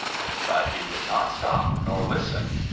But he would not stop nor listen.